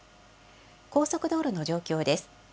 高速道路の状況です。